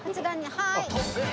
はい。